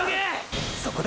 そこで！！